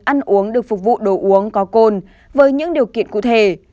ăn uống được phục vụ đồ uống có cồn với những điều kiện cụ thể